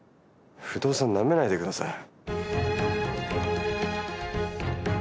不動産なめないで下さい。